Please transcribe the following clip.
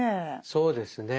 そうですね。